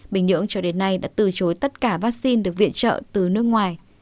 bình nhưỡng cho đến nay đã từ chối tất cả vaccine được viện trợ từ nước ngoài